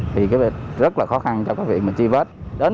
thì rất là khó khăn cho các viện mà chi vết